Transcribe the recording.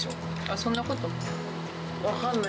そんなことない？